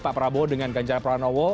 pak prabowo dengan ganjarapra nowo